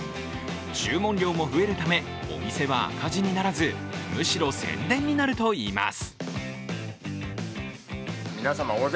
注文量も増えるため、お店は赤字にならずむしろ宣伝になるといいます。